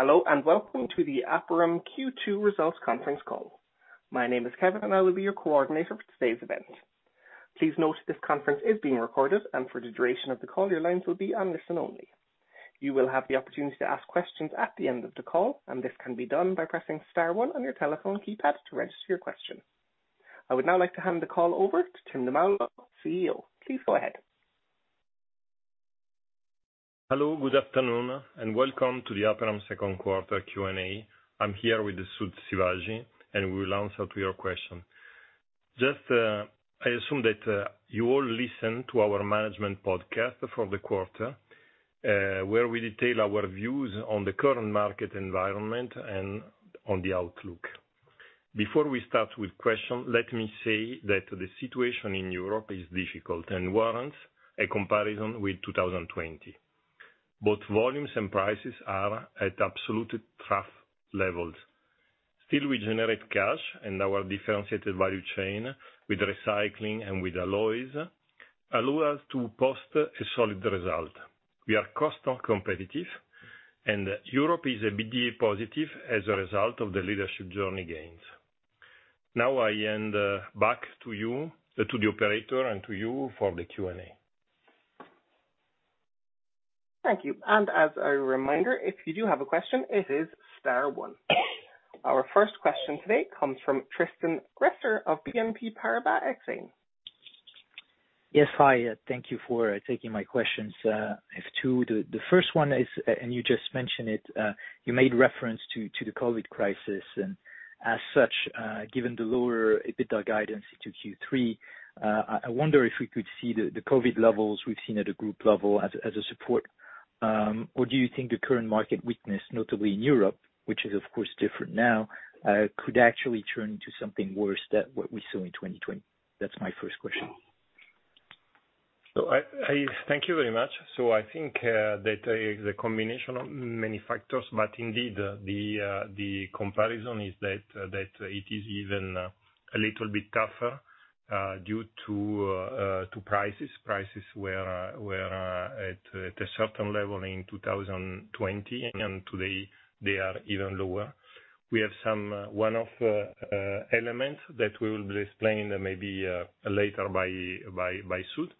Hello, welcome to the Aperam Q2 Results conference call. My name is Kevin, I will be your coordinator for today's event. Please note this conference is being recorded, for the duration of the call, your lines will be on listen-only. You will have the opportunity to ask questions at the end of the call, this can be done by pressing star one on your telephone keypad to register your question. I would now like to hand the call over to Timoteo Di Maulo, CEO. Please go ahead. Hello, good afternoon, welcome to the Aperam second quarter Q&A. I'm here with Sud Sivaji, we will answer to your question. Just, I assume that you all listened to our management podcast for the quarter, where we detail our views on the current market environment and on the outlook. Before we start with question, let me say that the situation in Europe is difficult and warrants a comparison with 2020. Both volumes and prices are at absolute trough levels. Still, we generate cash in our differentiated value chain with recycling and with alloys, allow us to post a solid result. We are cost competitive, Europe is a bit positive as a result of the leadership journey gains. Now, I hand back to you, to the operator and to you for the Q&A. Thank you. As a reminder, if you do have a question, it is star one. Our first question today comes from Tristan Gresser of BNP Paribas Exane. Yes, hi, thank you for taking my questions. I have two. The first one is, you just mentioned it, you made reference to the COVID crisis. As such, given the lower EBITDA guidance to Q3, I wonder if we could see the COVID levels we've seen at a group level as a support. Do you think the current market weakness, notably in Europe, which is of course different now, could actually turn into something worse than what we saw in 2020? That's my first question. Thank you very much. I think that is a combination of many factors, but indeed, the comparison is that it is even a little bit tougher due to prices. Prices were at a certain level in 2020, and today they are even lower. We have some one-off elements that we will be explaining maybe later by Sud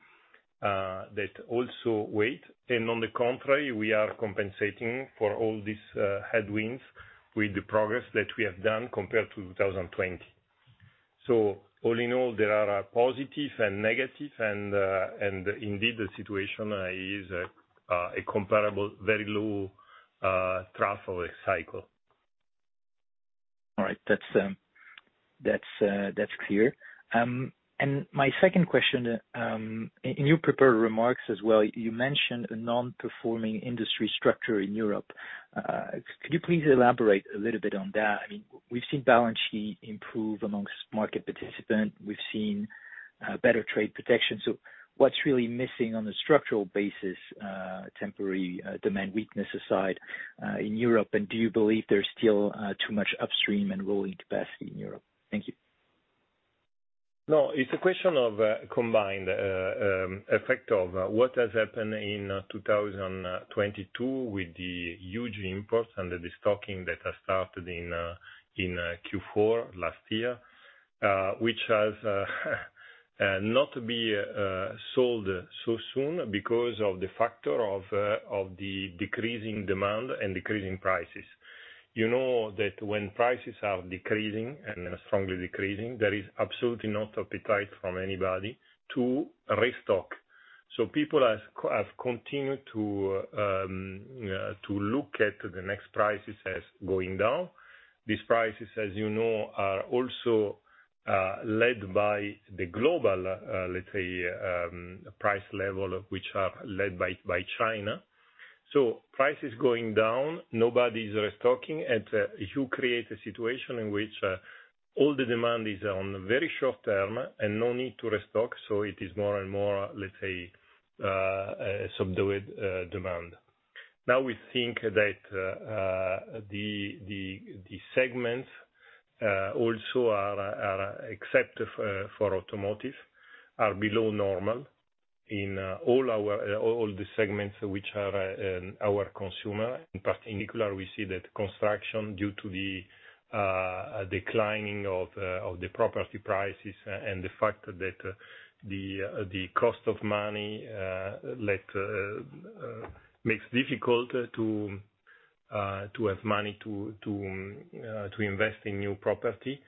that also wait. On the contrary, we are compensating for all these headwinds with the progress that we have done compared to 2020. All in all, there are positive and negative, and indeed, the situation is a comparable, very low trough of a cycle. All right. That's clear. My second question, in your prepared remarks as well, you mentioned a non-performing industry structure in Europe. Could you please elaborate a little bit on that? I mean, we've seen balance sheet improve amongst market participants. We've seen better trade protection. What's really missing on a structural basis, temporary demand weakness aside, in Europe, and do you believe there's still too much upstream and rolling capacity in Europe? Thank you. No, it's a question of combined effect of what has happened in 2022, with the huge imports and the destocking that has started in Q4 last year, which has not be sold so soon because of the factor of the decreasing demand and decreasing prices. You know that when prices are decreasing, and strongly decreasing, there is absolutely no appetite from anybody to restock. People have continued to look at the next prices as going down. These prices, as you know, are also led by the global, let's say, price level, which are led by China. Prices going down, nobody's restocking. You create a situation in which all the demand is on very short term and no need to restock, so it is more and more, let's say, subdued demand. We think that the segments also are, except for automotive, are below normal in all our all the segments which are our consumer. In particular, we see that construction, due to the declining of the property prices and the fact that the cost of money, let makes difficult to have money to invest in new property.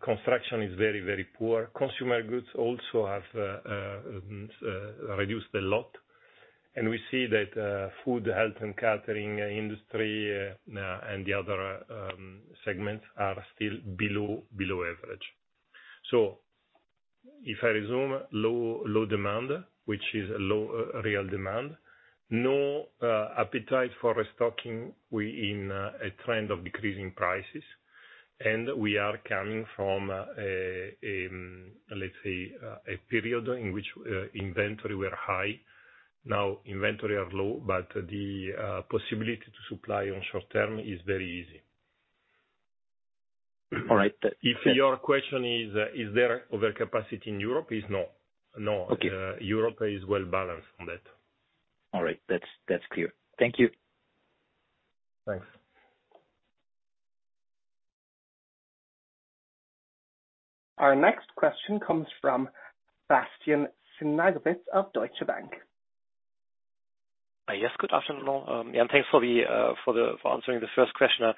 Construction is very, very poor. Consumer goods also have reduced a lot. We see that food, health, and catering industry and the other segments are still below average. If I resume, low demand, which is a real demand, no appetite for restocking, we in a trend of decreasing prices. We are coming from a, let's say, a period in which inventory were high. Inventory are low, but the possibility to supply on short term is very easy. All right. If your question is there overcapacity in Europe? Is no. No. Okay. Europe is well balanced on that. All right. That's clear. Thank you. Thanks. Our next question comes from Bastian Synagowitz of Deutsche Bank. Yes, good afternoon. Yeah, thanks for the for answering the first question.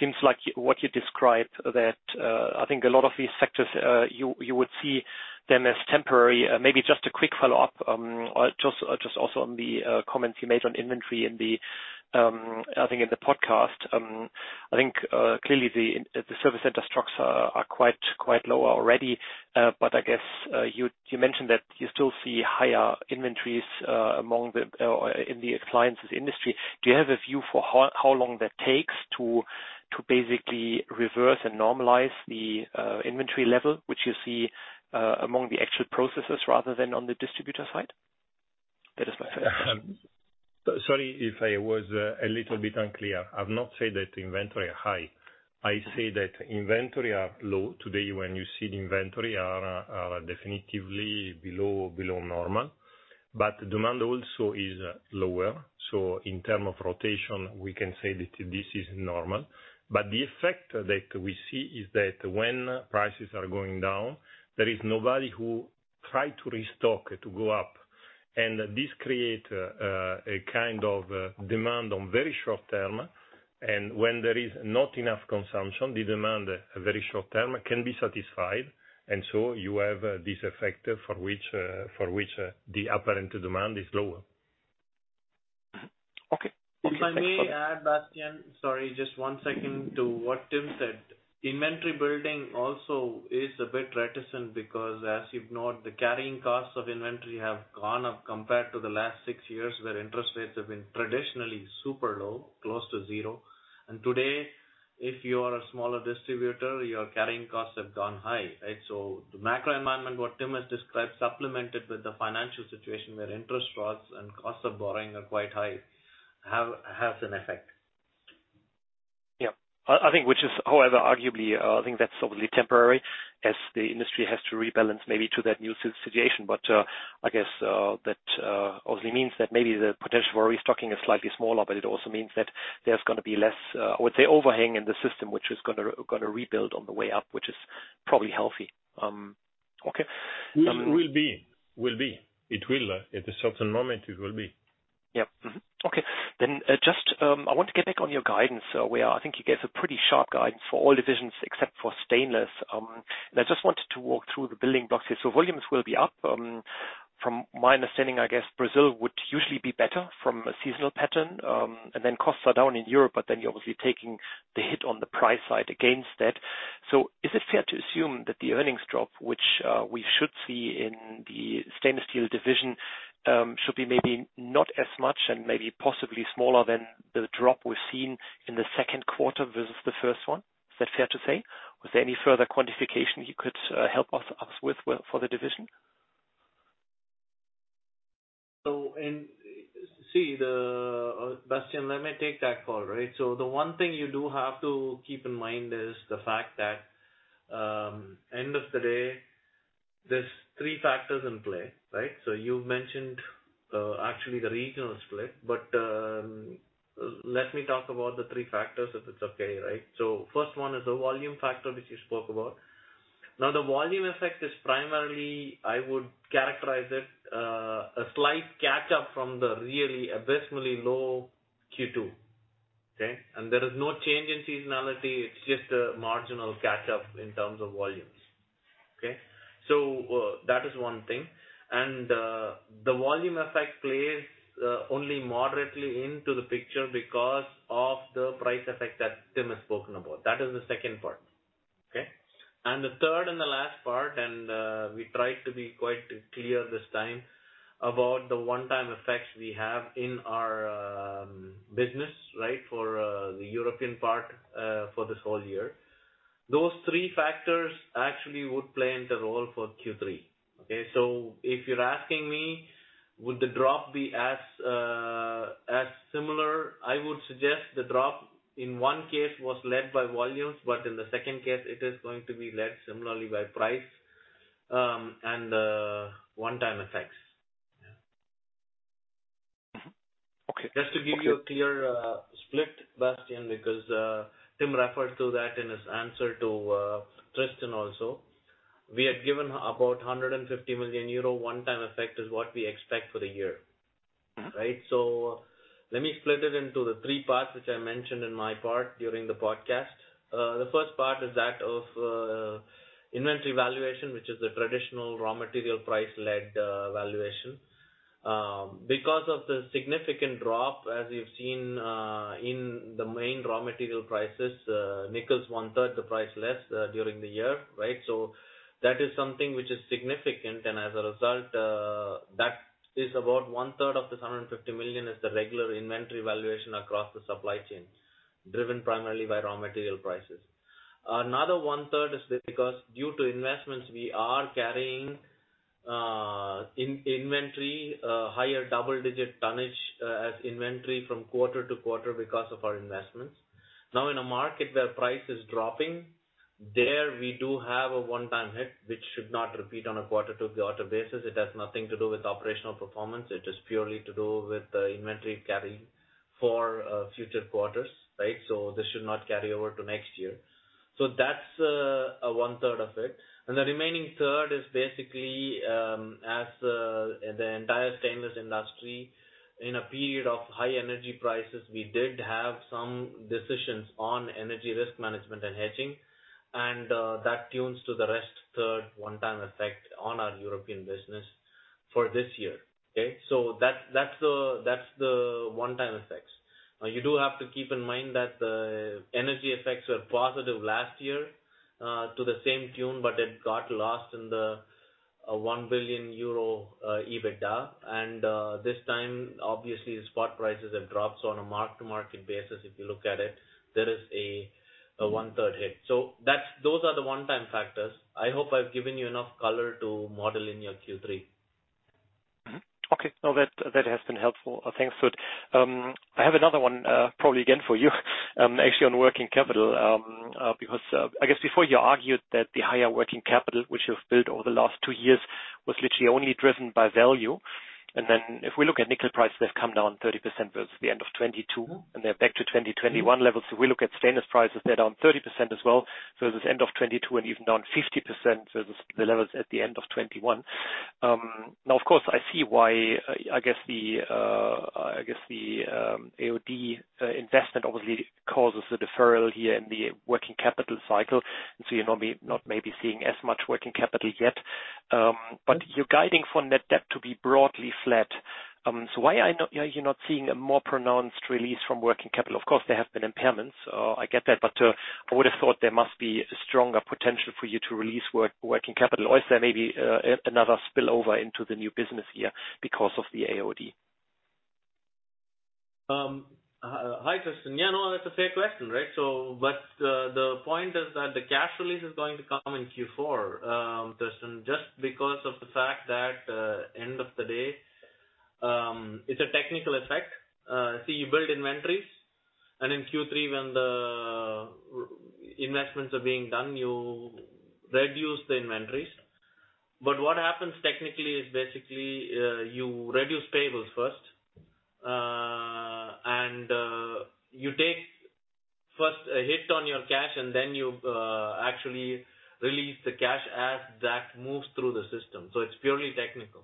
Seems like what you described that, I think a lot of these sectors, you would see them as temporary. Maybe just a quick follow-up, or just also on the comments you made on inventory in the I think in the podcast. I think clearly the service center stocks are quite low already, but I guess you mentioned that you still see higher inventories among the in the client's industry. Do you have a view for how long that takes to basically reverse and normalize the inventory level, which you see among the actual processors rather than on the distributor side? That is my first question. Sorry if I was a little bit unclear. I've not said that inventory are high. I say that inventory are low. Today, when you see the inventory are definitively below normal, demand also is lower. In term of rotation, we can say that this is normal. The effect that we see is that when prices are going down, there is nobody who try to restock, to go up. This create a kind of demand on very short term, and when there is not enough consumption, the demand, a very short term, can be satisfied, you have this effect for which the apparent demand is lower. Okay. If I may add, Bastian, sorry, just one second to what Tim said. Inventory building also is a bit reticent because, as you've noted, the carrying costs of inventory have gone up compared to the last six years, where interest rates have been traditionally super low, close to zero. Today, if you are a smaller distributor, your carrying costs have gone high, right? The macro environment, what Tim has described, supplemented with the financial situation where interest rates and costs of borrowing are quite high, has an effect. Yeah. I think, which is, however, arguably, I think that's obviously temporary, as the industry has to rebalance maybe to that new situation. I guess, that, obviously means that maybe the potential for restocking is slightly smaller, but it also means that there's gonna be less, I would say, overhang in the system, which is gonna rebuild on the way up, which is probably healthy. Okay. Will be. It will, at a certain moment, it will be. Yep. Okay. Just I want to get back on your guidance, where I think you gave a pretty sharp guidance for all divisions except for stainless. I just wanted to walk through the building blocks here. Volumes will be up, from my understanding, I guess Brazil would usually be better from a seasonal pattern, costs are down in Europe, you're obviously taking the hit on the price side against that. Is it fair to assume that the earnings drop, which we should see in the stainless steel division, should be maybe not as much and maybe possibly smaller than the drop we've seen in the second quarter versus the first one? Is that fair to say? Was there any further quantification you could help us with for the division? See, the Bastian, let me take that call, right? The one thing you do have to keep in mind is the fact that, end of the day, there's three factors in play, right? You've mentioned, actually the regional split, but let me talk about the three factors, if it's okay, right? First one is the volume factor, which you spoke about. Now, the volume effect is primarily, I would characterize it, a slight catch-up from the really abysmally low Q2. Okay? There is no change in seasonality, it's just a marginal catch-up in terms of volumes. Okay? That is one thing. The volume effect plays only moderately into the picture because of the price effect that Tim has spoken about. That is the second part. Okay? The third and the last part, we tried to be quite clear this time about the one-time effects we have in our business, right, for the European part for this whole year. Those 3 factors actually would play into role for Q3. If you're asking me, would the drop be as similar? I would suggest the drop in 1 case was led by volumes, but in the 2 case, it is going to be led similarly by price and one-time effects. Yeah. Mm-hmm. Okay. Just to give you a clear split, Bastian, because Tim referred to that in his answer to Tristan also. We had given about 150 million euro one-time effect is what we expect for the year. Mm-hmm. Right? Let me split it into the three parts, which I mentioned in my part during the podcast. The first part is that of inventory valuation, which is the traditional raw material price-led valuation. Because of the significant drop, as you've seen, in the main raw material prices, nickel is one third the price less during the year, right? That is something which is significant, and as a result, that is about one third of this 150 million is the regular inventory valuation across the supply chain, driven primarily by raw material prices. Another one third is because due to investments, we are carrying In inventory, higher double-digit tonnage as inventory from quarter to quarter because of our investments. In a market where price is dropping, there we do have a one-time hit, which should not repeat on a quarter-to-quarter basis. It has nothing to do with operational performance, it is purely to do with the inventory carrying for future quarters. This should not carry over to next year. That's a one-third effect. The remaining third is basically, as the entire stainless industry, in a period of high energy prices, we did have some decisions on energy risk management and hedging, that tunes to the rest third one-time effect on our European business for this year. That's the one-time effects. You do have to keep in mind that the energy effects were positive last year, to the same tune, but it got lost in the 1 billion euro EBITDA. this time, obviously, spot prices have dropped. On a mark-to-market basis, if you look at it, there is a one-third hit. Those are the one-time factors. I hope I've given you enough color to model in your Q3. Okay, no, that has been helpful. Thanks, Sud. I have another one, probably again for you, actually on working capital. Because I guess before you argued that the higher working capital, which you've built over the last two years, was literally only driven by value. If we look at nickel prices, they've come down 30% versus the end of 2022, and they're back to 2021 levels. We look at stainless prices, they're down 30% as well. This end of 2022, and even down 50% versus the levels at the end of 2021. Now, of course, I see why, I guess the AOD investment obviously causes a deferral here in the working capital cycle, and so you're not maybe seeing as much working capital yet. You're guiding for net debt to be broadly flat. Why are you're not seeing a more pronounced release from working capital? Of course, there have been impairments, I get that, but I would have thought there must be a stronger potential for you to release working capital. Is there maybe another spillover into the new business year because of the AOD? Hi, Tristan. Yeah, no, that's a fair question, right? The point is that the cash release is going to come in Q4, Tristan, just because of the fact that end of the day, it's a technical effect. You build inventories, and in Q3, when the investments are being done, you reduce the inventories. What happens technically is basically, you reduce payables first, and you take first a hit on your cash, and then you actually release the cash as that moves through the system. It's purely technical.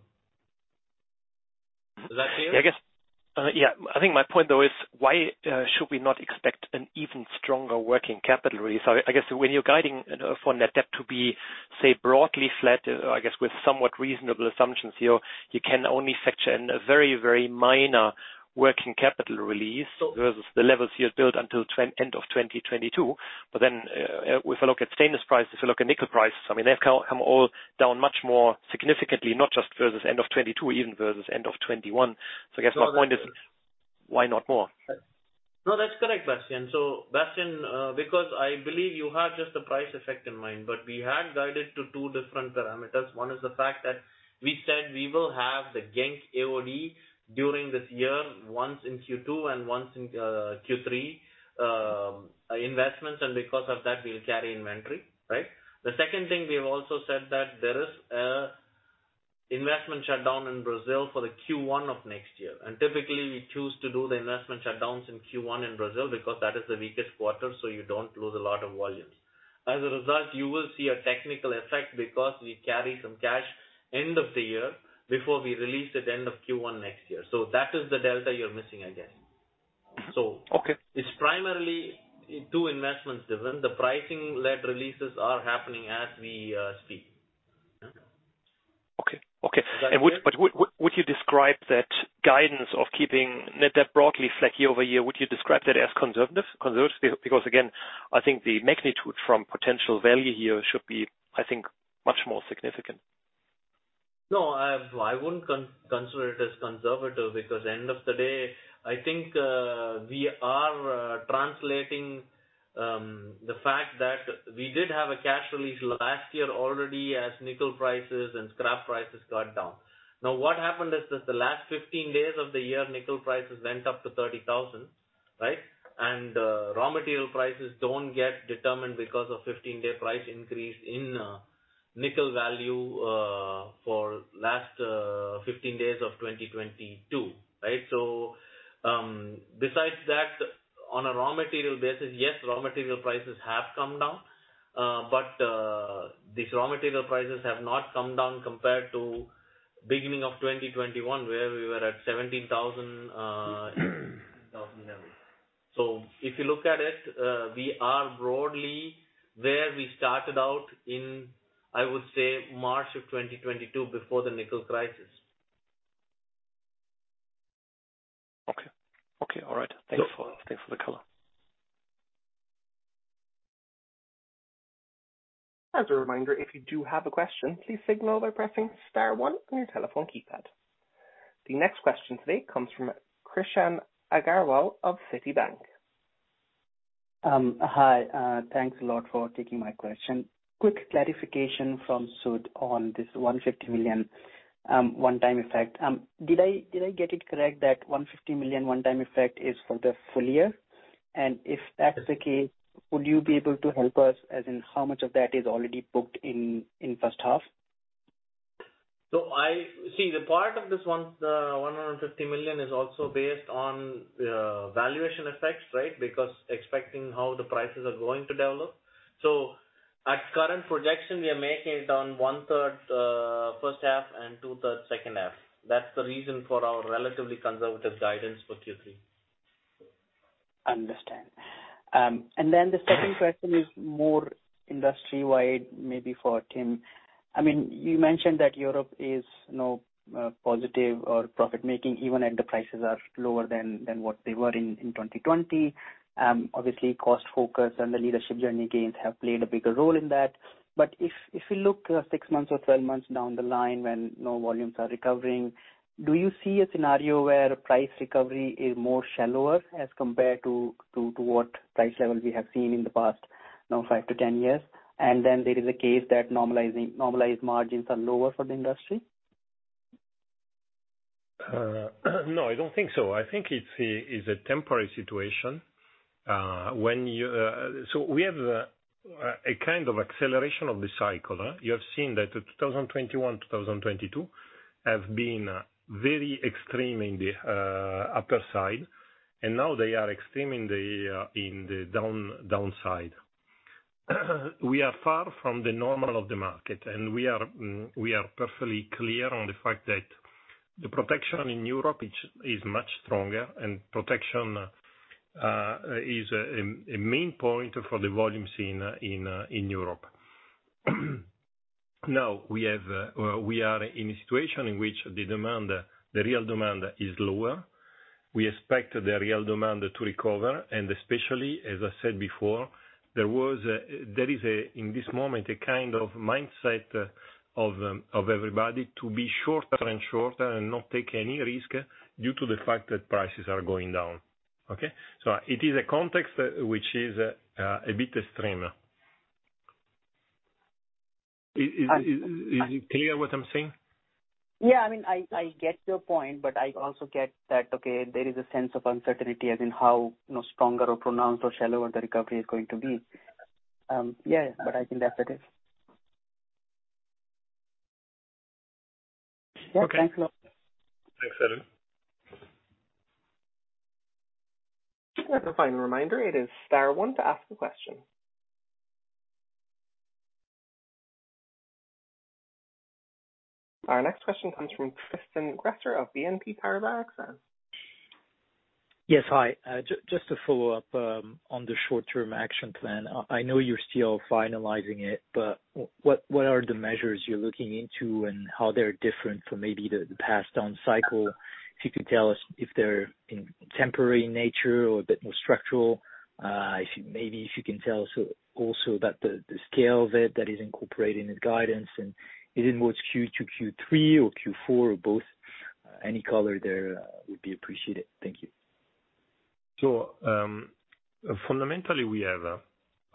Does that clear? Yeah, I guess, yeah, I think my point, though, is why should we not expect an even stronger working capital release? I guess when you're guiding, you know, for net debt to be, say, broadly flat, I guess with somewhat reasonable assumptions here, you can only factor in a very, very minor working capital release versus the levels you had built until end of 2022. If we look at stainless prices, if you look at nickel prices, I mean, they've come all down much more significantly, not just versus end of 2022, even versus end of 2021. I guess my point is, why not more? No, that's a correct, Bastian. Bastian, because I believe you have just the price effect in mind, but we had guided to two different parameters. One is the fact that we said we will have the Genk AOD during this year, once in Q2 and once in Q3 investments, and because of that, we'll carry inventory, right? The second thing, we have also said that there is a investment shutdown in Brazil for the Q1 of next year. Typically, we choose to do the investment shutdowns in Q1 in Brazil because that is the weakest quarter, so you don't lose a lot of volumes. As a result, you will see a technical effect because we carry some cash end of the year before we release it end of Q1 next year. That is the delta you're missing, I guess. Okay. It's primarily two investments, Tristan. The pricing-led releases are happening as we speak. Yeah. Okay, okay. Does that clear? Would you describe that guidance of keeping net debt broadly flat year-over-year, would you describe that as conservative? Conservative, because, again, I think the magnitude from potential value here should be, I think, much more significant. No, I wouldn't consider it as conservative, because end of the day, I think, we are translating the fact that we did have a cash release last year already as nickel prices and scrap prices got down. What happened is the last 15 days of the year, nickel prices went up to 30,000, right? Raw material prices don't get determined because of 15-day price increase in nickel value for last 15 days of 2022, right? Besides that, on a raw material basis, yes, raw material prices have come down. But these raw material prices have not come down compared to beginning of 2021, where we were at 17,000 level. If you look at it, we are broadly where we started out in, I would say, March of 2022, before the nickel crisis. Okay. Okay, all right. So- Thanks for the color. As a reminder, if you do have a question, please signal by pressing star one on your telephone keypad. The next question today comes from Krishan Agarwal of Citibank. hi, thanks a lot for taking my question. Quick clarification from Sud on this 150 million, one-time effect. Did I get it correct that 150 million one-time effect is for the full year? If that's the case, would you be able to help us, as in how much of that is already booked in first half? see, the part of this one, 150 million is also based on valuation effects, right? Expecting how the prices are going to develop. At current projection, we are making it on one third first half and two thirds second half. That's the reason for our relatively conservative guidance for Q3. Understand. The second question is more industry-wide, maybe for Tim. I mean, you mentioned that Europe is now positive or profit-making, even if the prices are lower than what they were in 2020. Obviously, cost focus and the leadership journey gains have played a bigger role in that. If you look six months or 12 months down the line when now volumes are recovering, do you see a scenario where price recovery is more shallower as compared to what price level we have seen in the past, now, five to 10 years? There is a case that normalized margins are lower for the industry. No, I don't think so. I think it's a temporary situation. We have a kind of acceleration of the cycle. You have seen that in 2021, 2022 have been very extreme in the upper side, and now they are extreme in the downside. We are far from the normal of the market, and we are perfectly clear on the fact that the protection in Europe is much stronger, and protection is a main point for the volumes in Europe. Now, we have, we are in a situation in which the demand, the real demand is lower. We expect the real demand to recover, especially, as I said before, there is a, in this moment, a kind of mindset of everybody to be shorter and shorter and not take any risk due to the fact that prices are going down. Okay? It is a context which is a bit extreme. Is it clear what I'm saying? Yeah, I mean, I get your point, but I also get that, okay, there is a sense of uncertainty as in how, you know, stronger or pronounced or shallower the recovery is going to be. Yeah, I think that's it. Okay. Thanks a lot. Thanks, Arun. As a final reminder, it is star one to ask a question. Our next question comes from Tristan Gresser of BNP Paribas. Yes. Hi, just to follow up on the short-term action plan. I know you're still finalizing it, but what are the measures you're looking into, and how they're different from maybe the past down cycle? If you could tell us if they're in temporary in nature or a bit more structural? If maybe if you can tell us also about the scale of it that is incorporated in the guidance, and is it more Q2, Q3 or Q4 or both? Any color there would be appreciated. Thank you. Fundamentally, we have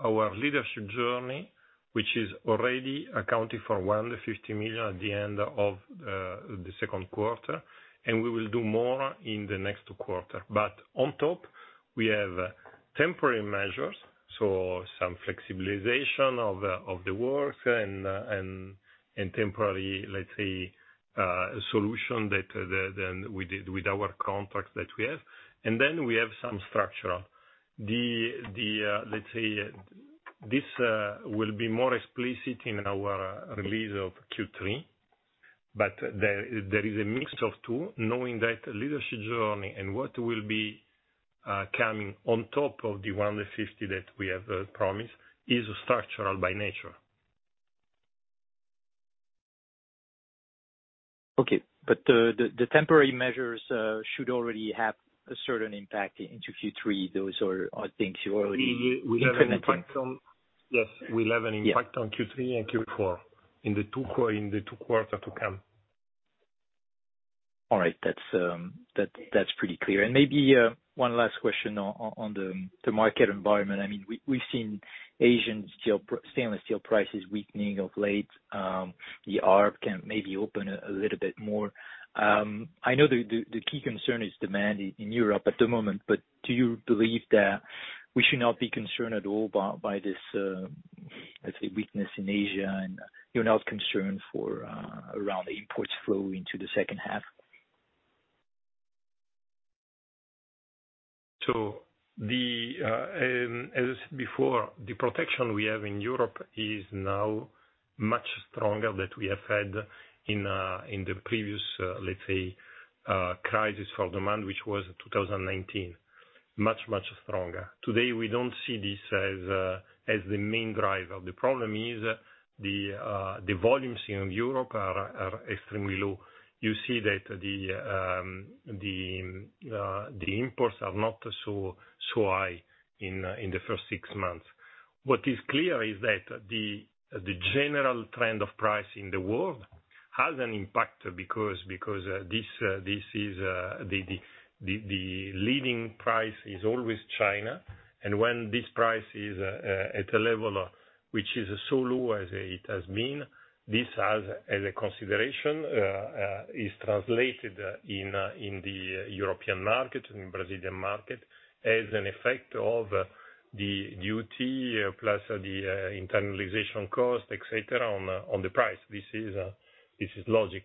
our leadership journey, which is already accounting for 150 million at the end of the second quarter, and we will do more in the next quarter. On top, we have temporary measures, some flexibilization of the work and temporary, let's say, solution that we did with our contracts that we have. We have some structural. Let's say, this will be more explicit in our release of Q3, but there is a mix of two, knowing that leadership journey and what will be coming on top of the 150 that we have promised is structural by nature. Okay, the temporary measures should already have a certain impact into Q3. Those are, I think, you already implementing. Yes, we'll have an impact- Yeah on Q3 and Q4, in the two quarter to come. All right. That's pretty clear. Maybe one last question on the market environment. I mean, we've seen Asian stainless steel prices weakening of late. The ARP can maybe open a little bit more. I know the key concern is demand in Europe at the moment, but do you believe that we should not be concerned at all by this, let's say, weakness in Asia, and you're not concerned for around the imports flow into the second half? The, as before, the protection we have in Europe is now much stronger than we have had in the previous, let's say, crisis for demand, which was 2019. Much stronger. Today, we don't see this as the main driver. The problem is the volumes in Europe are extremely low. You see that the imports are not so high in the first six months. What is clear is that the general trend of price in the world has an impact, because this is the leading price is always China. When this price is at a level which is so low as it has been, this has, as a consideration, is translated in the European market, in Brazilian market, as an effect of the duty plus the internalization cost, et cetera, on the price. This is logic.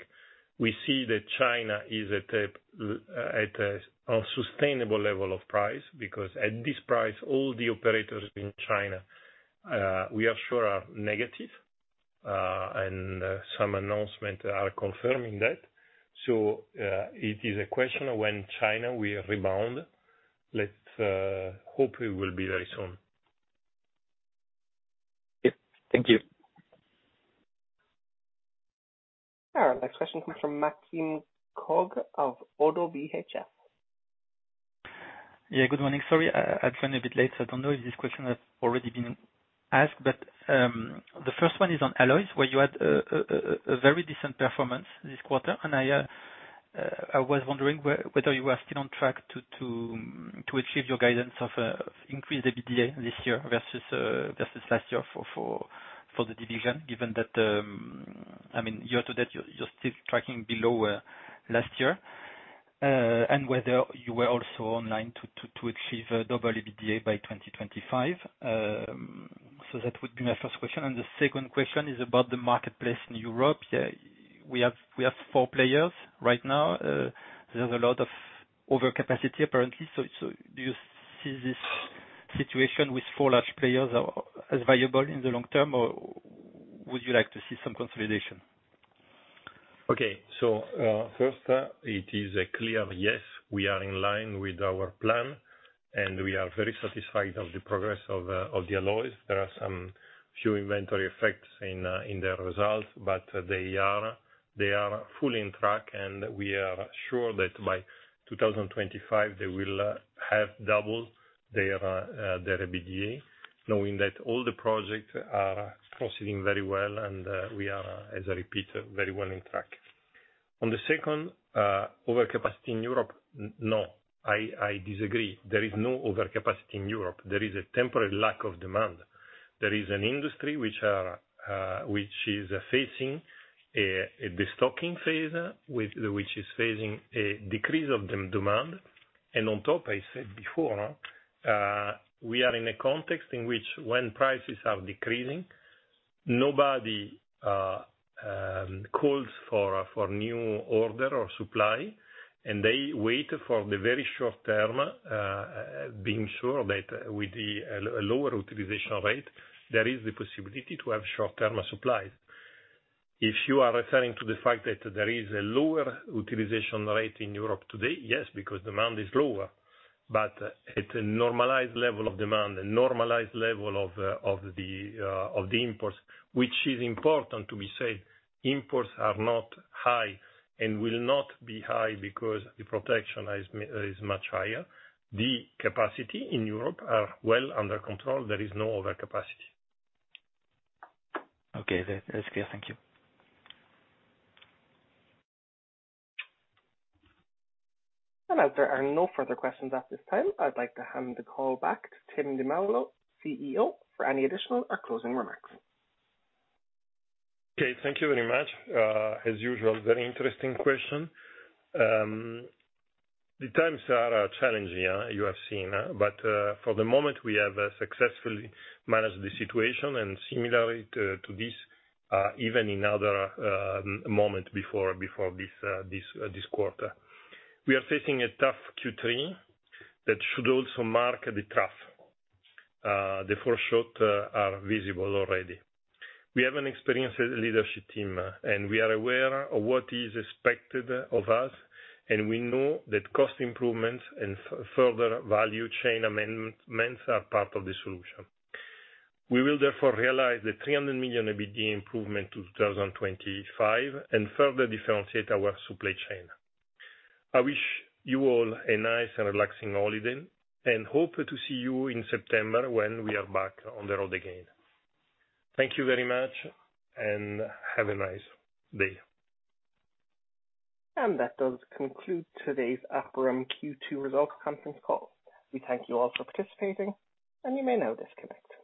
We see that China is at a sustainable level of price, because at this price, all the operators in China, we are sure are negative, and some announcements are confirming that. It is a question of when China will rebound. Let's hope it will be very soon. Yes, thank you. Our next question comes from Maxime Kogge of Oddo BHF. Yeah, good morning. Sorry, I joined a bit late. I don't know if this question has already been asked. The first one is on alloys, where you had a very decent performance this quarter, and I was wondering whether you are still on track to achieve your guidance of increased EBITDA this year versus last year for the division, given that, I mean, year to date, you're still tracking below last year. Whether you were also online to achieve double EBITDA by 2025. That would be my first question. The second question is about the marketplace in Europe. We have four players right now. There's a lot of overcapacity apparently. Do you see this situation with four large players as viable in the long term, or would you like to see some consolidation? First, it is a clear yes, we are in line with our plan, and we are very satisfied of the progress of the alloys. There are some few inventory effects in their results, but they are, they are fully on track, and we are sure that by 2025, they will have doubled their EBITDA. Knowing that all the projects are proceeding very well, and we are, as I repeat, very well on track. On the second, overcapacity in Europe, no, I disagree. There is no overcapacity in Europe. There is a temporary lack of demand. There is an industry which is facing destocking phase, which is facing a decrease of the demand. On top, I said before, we are in a context in which when prices are decreasing, nobody calls for new order or supply, and they wait for the very short term, being sure that with a lower utilization rate, there is the possibility to have short-term supplies. If you are referring to the fact that there is a lower utilization rate in Europe today, yes, because demand is lower. At a normalized level of demand, a normalized level of the imports, which is important to be said, imports are not high and will not be high because the protection is much higher. The capacity in Europe are well under control. There is no overcapacity. Okay, that's clear. Thank you. As there are no further questions at this time, I'd like to hand the call back to Timoteo Di Maulo, CEO, for any additional or closing remarks. Okay, thank you very much. As usual, very interesting question. The times are challenging, you have seen, for the moment, we have successfully managed the situation, and similarly to this, even in other moment before this quarter. We are facing a tough Q3, that should also mark the trough. The first shot are visible already. We have an experienced leadership team, and we are aware of what is expected of us, and we know that cost improvements and further value chain amendments are part of the solution. We will therefore realize the 300 million EBITDA improvement to 2025, and further differentiate our supply chain. I wish you all a nice and relaxing holiday, and hope to see you in September when we are back on the road again. Thank you very much, and have a nice day. That does conclude today's Aperam Q2 results conference call. We thank you all for participating, and you may now disconnect.